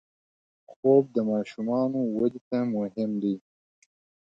خوب د ماشومانو وده ته مهم دی